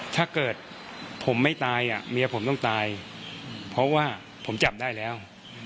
ถ้าเกิดผมไม่ตายเมียผมต้องตายเพราะว่าผมจับได้แล้ว